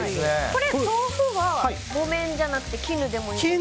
これ、豆腐は木綿じゃなくて絹でもいいんですか？